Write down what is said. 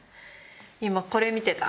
今これ見てた。